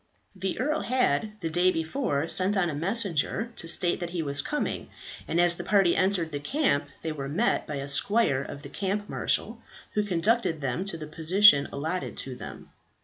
The earl had the day before sent on a messenger to state that he was coming, and as the party entered the camp they were met by a squire of the camp marshal, who conducted them to the position allotted to them.